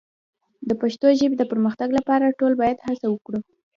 د پښتو ژبې د پرمختګ لپاره ټول باید هڅه وکړو.